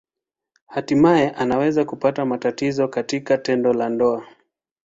Hatimaye anaweza kupata matatizo katika tendo la ndoa.